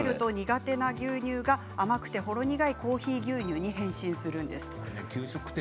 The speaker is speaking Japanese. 混ぜると苦手な牛乳が甘くてほろ苦いコーヒー牛乳に変身するんですと。